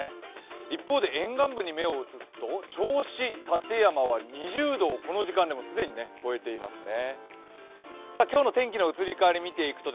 一方で沿岸部に目を移すと銚子、館山は２０度をこの時間でも既に超えていますね。